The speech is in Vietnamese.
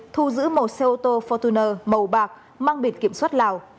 thu giữ màu xe ô tô fortuner màu bạc mang biển kiểm soát lào